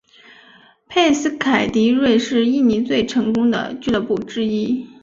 佩斯凯迪瑞是印尼最成功的俱乐部之一。